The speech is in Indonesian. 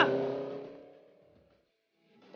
pengecut lu semua